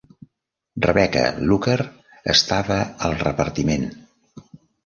Rebecca Luker estava al repartiment.